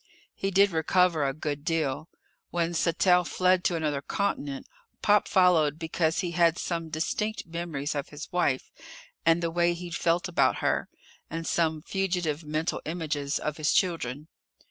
He did recover a good deal. When Sattell fled to another continent, Pop followed because he had some distinct memories of his wife and the way he'd felt about her and some fugitive mental images of his children.